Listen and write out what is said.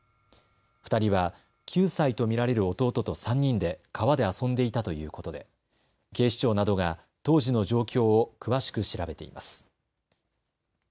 ２人は９歳と見られる弟と３人で川で遊んでいたということで警視庁などが当時の状況を詳しく調べています。